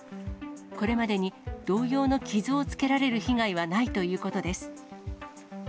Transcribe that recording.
これまでに同様の傷をつけられる被害はないということです。